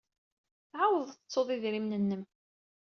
Tɛawded tettud idrimen-nnem.